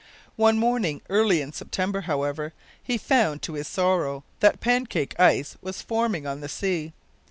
One morning early in September, however, he found to his sorrow that pancake ice was forming on the sea.